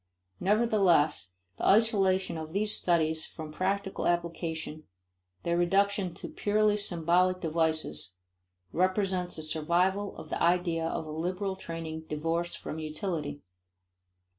Nevertheless the isolation of these studies from practical application, their reduction to purely symbolic devices, represents a survival of the idea of a liberal training divorced from utility.